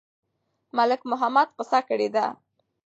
ملک محمد قصه کړې ده.